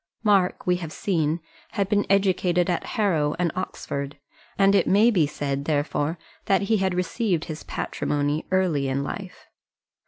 Mark, we have seen, had been educated at Harrow and Oxford, and it may be said, therefore, that he had received his patrimony early in life.